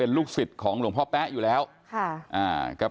เป็นลูกศิษย์ของลุงพ่อแป๊ออยู่แล้วค่ะอ่า